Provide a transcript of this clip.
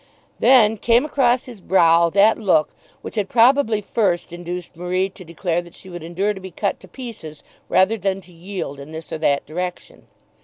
Then came across his brow that look which had probably first induced Marie to declare that she would endure to be "cut to pieces," rather than to yield in this or that direction.